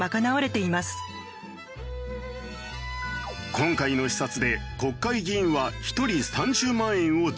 今回の視察で国会議員は１人３０万円を自己負担。